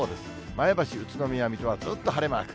前橋、宇都宮、水戸はずっと晴れマーク。